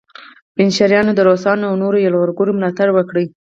پنجشیریانو د روسانو او نورو یرغلګرو ملاتړ وکړ